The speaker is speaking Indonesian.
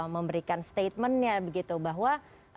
memberikan statementnya begitu bahwa